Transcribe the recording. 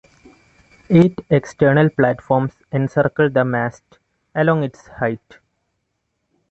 Eight external platforms encircle the mast along its height.